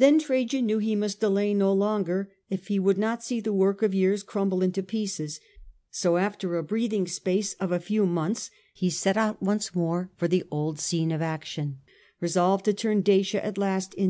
'Phen Trajan knew he must de long. and lay no longer if he would not see the work ol war broke '...•,,. out again. years crumble into pieces ; so after a oreathing space of a few months he set out once more for the old scene of action, resolved to turn Dacia at last into